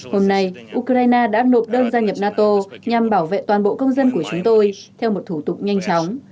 hôm nay ukraine đã nộp đơn gia nhập nato nhằm bảo vệ toàn bộ công dân của chúng tôi theo một thủ tục nhanh chóng